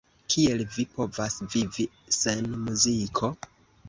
Kiel vi povas vivi sen muziko?